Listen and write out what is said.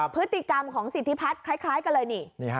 พฤติกรรมของสิทธิพัฒน์คล้ายกันเลยนี่